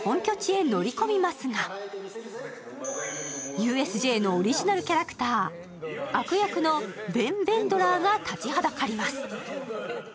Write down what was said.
ＵＳＪのオリジナルキャラクター悪役のヴェン・ヴェンドラーが立ちはだかります。